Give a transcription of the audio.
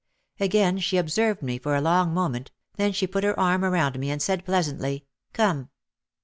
Again she observed me for a long mo ment, then she put her arm around me and said pleas antly, "Come!"